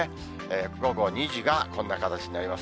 午後２時がこんな形になります。